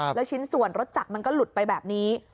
แล้วชิ้นส่วนรถจักรมันก็หลุดไปแบบนี้